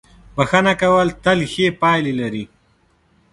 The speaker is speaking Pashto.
• بښنه کول تل ښې پایلې لري.